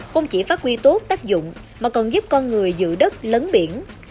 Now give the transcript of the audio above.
không chỉ phát huy tốt tác dụng mà còn giúp con người giữ đất lấn biển